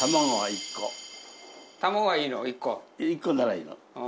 １個ならいいの。